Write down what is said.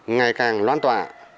ngày càng loan tọa